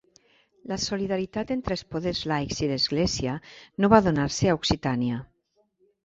La solidaritat entre els poders laics i l'Església no va donar-se a Occitània.